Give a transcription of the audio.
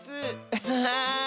アハハー！